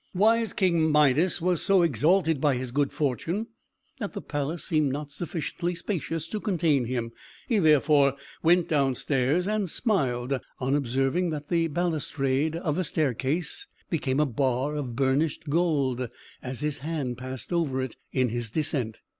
Wise King Midas was so exalted by his good fortune, that the palace seemed not sufficiently spacious to contain him. He therefore went downstairs, and smiled, on observing that the balustrade of the staircase became a bar of burnished gold, as his hand passed over it, in his descent.